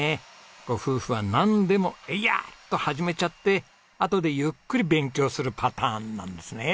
ご夫婦はなんでもエイヤ！と始めちゃってあとでゆっくり勉強するパターンなんですね。